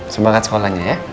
semangat sekolahnya ya